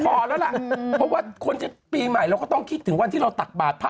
พอแล้วล่ะเพราะว่าคนจะปีใหม่เราก็ต้องคิดถึงวันที่เราตักบาทพระ